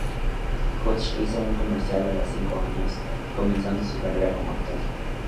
Hutch hizo un comercial a los cinco años, comenzando su carrera como actor.